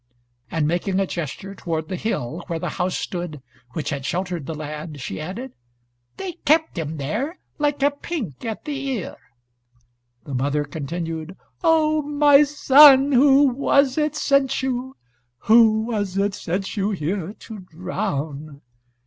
And making a gesture toward the hill where the house stood which had sheltered the lad, she added, "They kept him there, like a pink at the ear." The mother continued: "O my son, who was it sent you; who was it sent you here, to drown?"